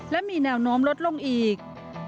และมีแนวโน้มลดลงอีก